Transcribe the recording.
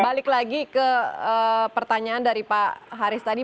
balik lagi ke pertanyaan dari pak haris tadi